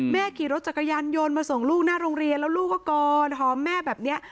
ขี่รถจักรยานยนต์มาส่งลูกหน้าโรงเรียนแล้วลูกก็กอดหอมแม่แบบนี้